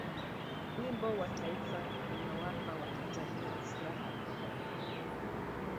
wimbo wa taifa unawapa watanzania furaha kubwa